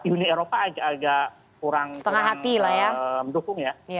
uni eropa agak kurang mendukung ya